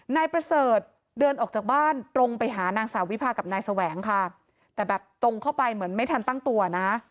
นายประเสริฐเดินออกจากบ้านตรงไปหานางสาววิพากับนายแสวงค่ะแต่แบบตรงเข้าไปเหมือนไม่ทันตั้งตัวนะ